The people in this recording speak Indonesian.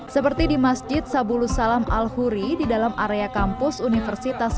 seperti di masjid sabulus salam al huri di dalam area kampus universitas